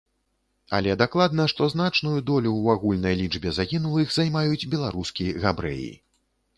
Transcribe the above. Але дакладна, што значную долю ў агульнай лічбе загінулых займаюць беларускі габрэі.